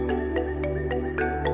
ketika dapur itu berfungsi